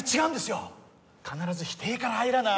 必ず否定から入らない？